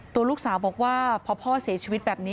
ตัวลูกสาวบอกว่าพอพ่อเสียชีวิตแบบนี้